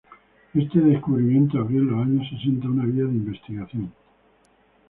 Este descubrimiento abrió en los años sesenta una vía de investigación.